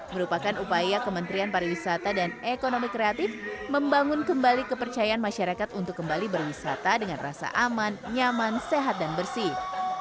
merupakan upaya kementerian pariwisata dan ekonomi kreatif membangun kembali kepercayaan masyarakat untuk kembali berwisata dengan rasa aman nyaman sehat dan bersih